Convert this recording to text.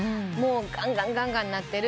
ガンガンガンガン鳴ってる。